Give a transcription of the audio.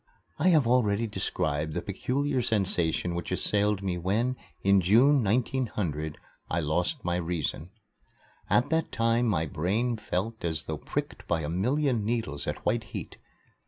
I have already described the peculiar sensation which assailed me when, in June, 1900, I lost my reason. At that time my brain felt as though pricked by a million needles at white heat.